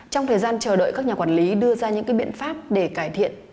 trong thời gian chờ đợi các nhà quản lý đưa ra những biện pháp để cải thiện